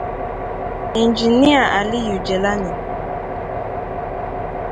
Injinia Aliyu Jelani